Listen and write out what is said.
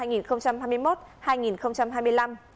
giai đoạn hai nghìn hai mươi một hai nghìn hai mươi năm